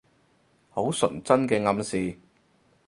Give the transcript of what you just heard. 好純真嘅暗示